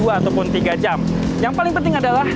ataupun tiga jam yang paling penting adalah